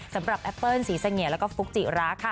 สำหรับแอปเปิ้ลสีสังเกียร์แล้วก็ฟุกจิรักษ์ค่ะ